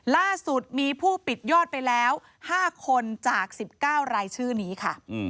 ล่าสุดมีผู้ปิดยอดไปแล้ว๕คนจาก๑๙รายชื่อนี้ค่ะ